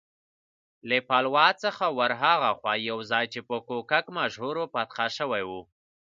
له پلاوا څخه ورهاخوا یو ځای چې په کوک مشهور و، فتح شوی و.